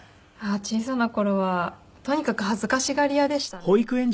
小さな頃はとにかく恥ずかしがり屋でしたね。